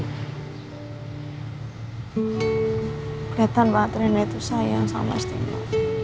keliatan banget rena itu sayang sama mas timo